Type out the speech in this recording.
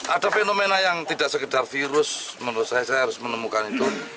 ada fenomena yang tidak sekedar virus menurut saya saya harus menemukan itu